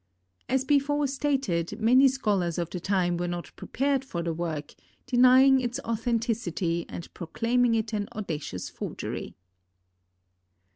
As before stated, many scholars of the time were not prepared for the work, denying its authenticity and proclaiming it an audacious forgery.